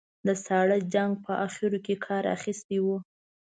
د ساړه جنګ په اخرو کې کار اخیستی و.